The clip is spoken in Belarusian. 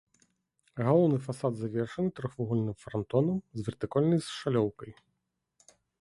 Галоўны фасад завершаны трохвугольным франтонам з вертыкальнай шалёўкай.